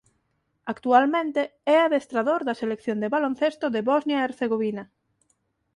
Actualmente é adestrador da Selección de baloncesto de Bosnia e Hercegovina.